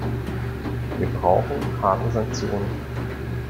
Wir brauchen harte Sanktionen.